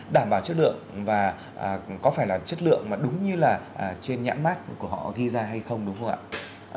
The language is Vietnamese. đảm bảo chất lượng và có phải là chất lượng mà đúng như là trên nhãn mát của họ ghi ra hay không đúng không ạ